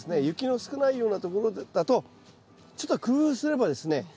雪の少ないようなところだとちょっと工夫すればですね